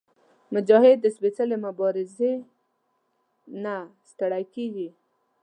مجاهد د سپېڅلې مبارزې نه ستړی کېږي.